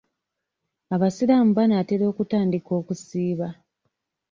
Abasiraamu banaatera okutandika okusiiba.